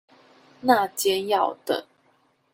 那間要等